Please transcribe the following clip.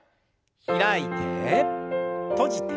開いて閉じて。